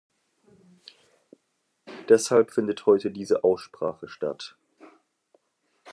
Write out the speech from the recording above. Deshalb findet heute diese Aussprache statt.